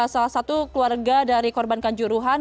salah satu keluarga dari korbankan juruhan